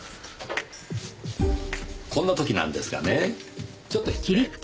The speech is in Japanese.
こんな時なんですがねちょっと失礼。